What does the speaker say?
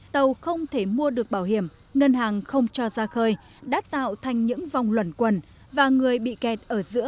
tàu không thể mua được bảo hiểm ngân hàng không cho ra khơi đã tạo thành những vòng luẩn quần và người bị kẹt ở giữa chính là ngư dân